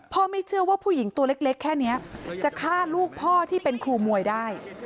ไม่เชื่อว่าผู้หญิงตัวเล็กแค่นี้จะฆ่าลูกพ่อที่เป็นครูมวยได้